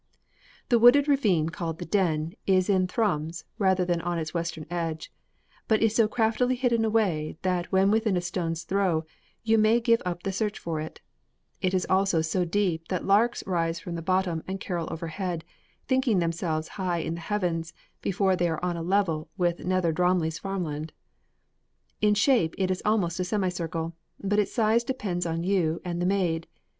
The wooded ravine called the Den is in Thrums rather than on its western edge, but is so craftily hidden away that when within a stone's throw you may give up the search for it; it is also so deep that larks rise from the bottom and carol overhead, thinking themselves high in the heavens before they are on a level with Nether Drumley's farmland. In shape it is almost a semicircle, but its size depends on you and the maid.